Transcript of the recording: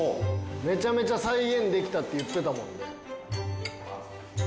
めちゃめちゃ再現できたって言ってたもんね。